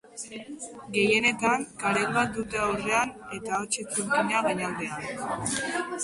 Gehienetan, karel bat dute aurrean eta ahots-itzulkina gainaldean.